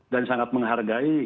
dan sangat menghargai